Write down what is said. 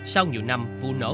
sau nhiều năm vụ nổ